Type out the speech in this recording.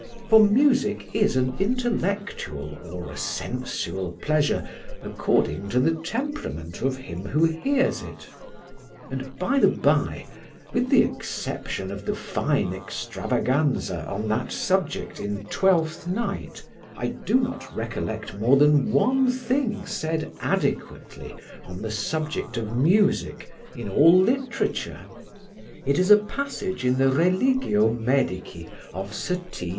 For music is an intellectual or a sensual pleasure according to the temperament of him who hears it. And, by the bye, with the exception of the fine extravaganza on that subject in "Twelfth Night," I do not recollect more than one thing said adequately on the subject of music in all literature; it is a passage in the Religio Medici of Sir T.